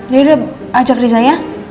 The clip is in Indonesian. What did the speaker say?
yaudah ajak riza ya